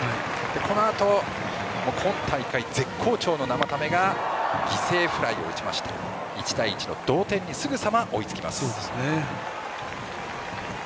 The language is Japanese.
このあと今大会絶好調の生田目が犠牲フライを打ちましてすぐに追いつきます。